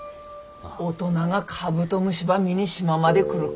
大人がカブトムシば見に島まで来るか？